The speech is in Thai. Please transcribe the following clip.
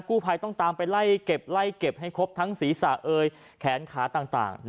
กู้ภัยต้องตามไปไล่เก็บไล่เก็บให้ครบทั้งศีรษะเอยแขนขาต่าง